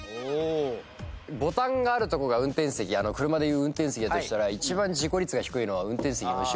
ボタンがあるところが車でいう運転席だとしたら一番事故率が低いのは運転席の後ろかなと思って。